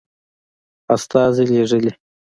استازي لېږلي.